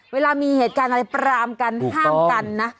เวลามีเหตุการณ์อะไรปรามกันห้ามกันนะ